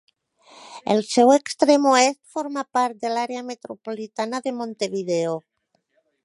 El seu extrem oest forma part de l'àrea metropolitana de Montevideo.